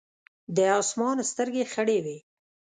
د اسمان سترګې خړې وې ـ